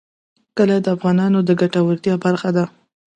کلي د افغانانو د ګټورتیا برخه ده.